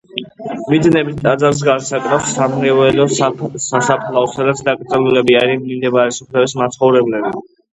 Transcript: მიძინების ტაძარს გარს აკრავს სამრევლო სასაფლაო, სადაც დაკრძალულები არიან მიმდებარე სოფლების მაცხოვრებლები.